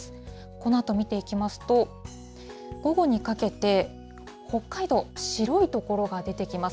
このあと見ていきますと、午後にかけて、北海道、白い所が出てきます。